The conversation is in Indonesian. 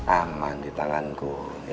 aman di tanganku